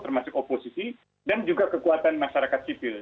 termasuk oposisi dan juga kekuatan masyarakat sipil